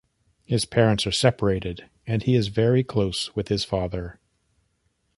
His parents are separated and he is very close with his father.